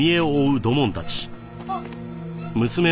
あっ。